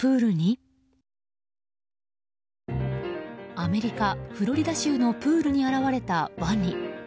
アメリカ・フロリダ州のプールに現れた、ワニ。